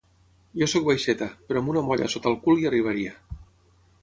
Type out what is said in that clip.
Jo soc baixeta, però amb una molla sota el cul hi arribaria.